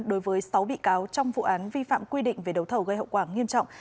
đối với sáu bị cáo trong vụ án vi phạm quy định về đấu thầu gây hậu quả nghiêm trọng